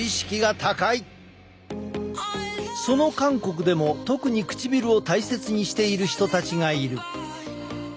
その韓国でも特に唇を大切にしている人たちがいる。